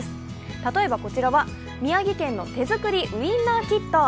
例えばこちらは宮城県の手作りウィンナーキット。